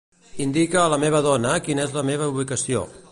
Indica a la meva dona quina és la meva ubicació.